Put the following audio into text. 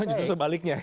jangan justru sebaliknya